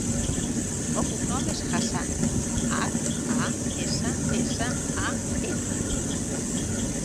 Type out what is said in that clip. El cognom és Hassan: hac, a, essa, essa, a, ena.